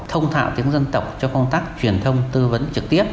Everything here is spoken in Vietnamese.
thông thạo tiếng dân tộc cho công tác truyền thông tư vấn trực tiếp